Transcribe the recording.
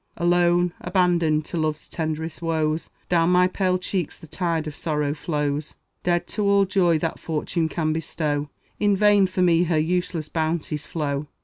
Alone, abandoned to love's tenderest woes, Down my pale cheeks the tide of sorrow flows; Dead to all joy that Fortune can bestow, In vain for me her useless bounties flow.